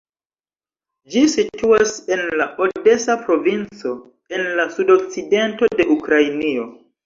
Ĝi situas en la odesa provinco, en la sudokcidento de Ukrainio.